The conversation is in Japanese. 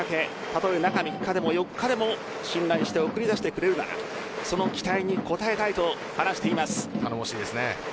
たとえ中３日でも４日でも信頼して送り出してくれるならその期待に応えたいと話しています。